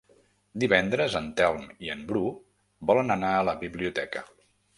Divendres en Telm i en Bru volen anar a la biblioteca.